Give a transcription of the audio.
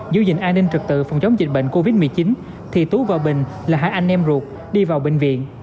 giữ gìn an ninh trực tự phòng chống dịch bệnh covid một mươi chín thì tú và bình là hai anh em ruột đi vào bệnh viện